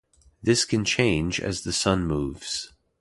This can change as the sun moves.